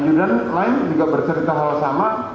judan lain juga bercerita hal sama